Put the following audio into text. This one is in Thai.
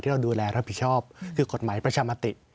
ที่เราดูแลและบิชอบคือกฎหมายประชามาติ